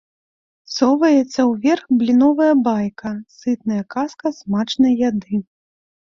Соваецца ўверх бліновая байка, сытная казка смачнай яды.